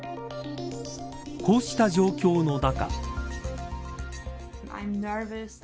こうした状況の中。